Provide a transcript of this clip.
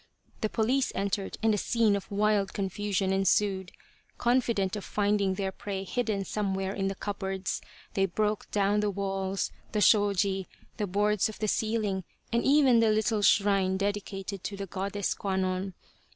The police entered and a scene of wild confusion ensued. Confident of finding their prey hidden some where in the cupboards, they broke down the walls, the shoji, the boards of the ceiling, and even the little shrine dedicated to the Goddess Kwannon.